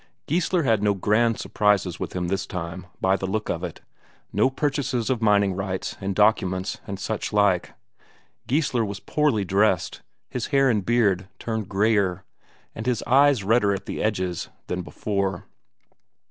Geissler had no grand surprises with him this time, by the look of it; no purchases of mining rights and documents and such like. Geissler was poorly dressed, his hair and beard turned greyer, and his eyes redder at the edges than before.